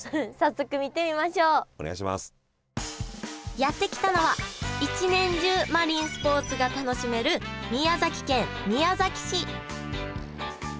やって来たのは一年中マリンスポーツが楽しめる宮崎県宮崎市